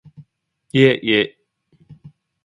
예, 예.